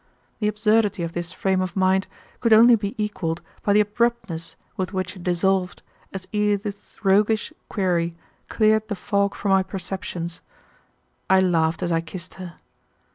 The absurdity of this frame of mind could only be equalled by the abruptness with which it dissolved as Edith's roguish query cleared the fog from my perceptions. I laughed as I kissed her.